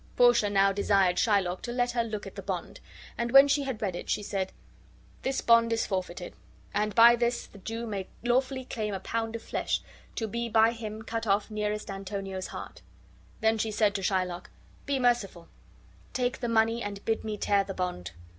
Portia now desired Shylock to let her look at the bond; and when she had read it she said: "This bond is forfeited, and by this the Jew may lawfully claim a pound of flesh, to be by him cut off nearest Antonio's heart." Then she said to Shylock, "Be merciful; take the money and bid me tear the bond."